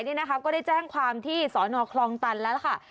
เนี่ยนะครับก็ได้แจ้งความที่สรรคลองตันแล้วค่ะ